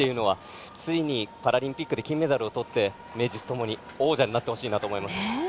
ついにパラリンピックで金メダルをとって名実ともに王者になってほしいと思います。